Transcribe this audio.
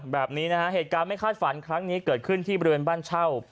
แบบนี้นะฮะเหตุการณ์ไม่คาดฝันครั้งนี้เกิดขึ้นที่บริเวณบ้านเช่า